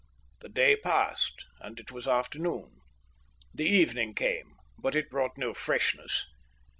The day passed, and it was afternoon. The evening came, but it brought no freshness.